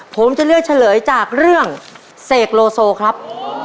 ผมจะเลือกเฉลยจากเรื่องเสกโลโซครับ